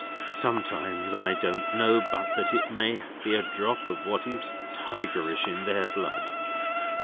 Sometimes, I don't know but that it may be a drop of what is tigerish in their blood."